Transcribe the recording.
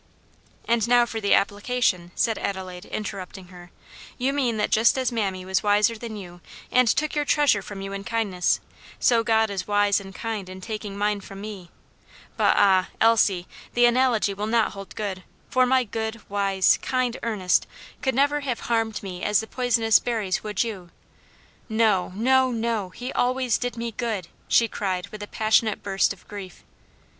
"And now for the application," said Adelaide, interrupting her; "you mean that just as mammy was wiser than you, and took your treasure from you in kindness, so God is wise and kind in taking mine from me; but ah! Elsie, the analogy will not hold good; for my good, wise, kind Ernest could never have harmed me as the poisonous berries would you. No, no, no, he always did me good!" she cried with a passionate burst of grief.